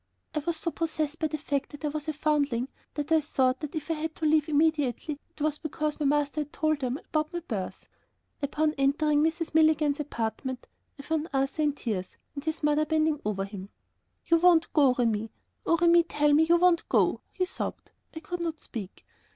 I was so possessed by the fact that I was a foundling, that I thought that if I had to leave immediately it was because my master had told them about my birth. Upon entering Mrs. Milligan's apartment I found Arthur in tears and his mother bending over him. "You won't go, Remi! Oh, Remi, tell me you won't go," he sobbed. I could not speak.